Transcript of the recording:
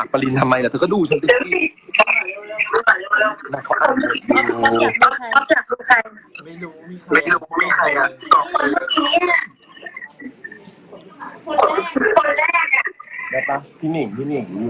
คิดถึงหนูหลุงจังเลย